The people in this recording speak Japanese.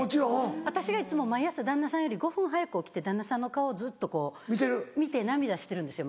私がいつも毎朝旦那さんより５分早く起きて旦那さんの顔ずっとこう見て涙してるんですよ